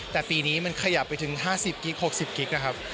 แต่ปีนี้มันขยับไปถึง๕๐กิ๊ก๖๐กิ๊กนะครับ